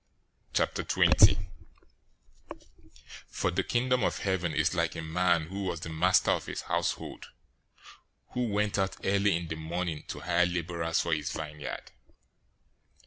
020:001 "For the Kingdom of Heaven is like a man who was the master of a household, who went out early in the morning to hire laborers for his vineyard.